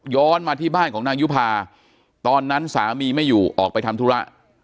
มาที่บ้านของนางยุภาตอนนั้นสามีไม่อยู่ออกไปทำธุระ